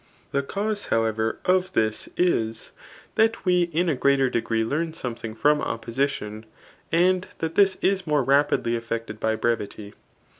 The cause^ however, of this is, that we in a greater degree leam something from opposition ; and that this is more rapid« ly effected by brevity.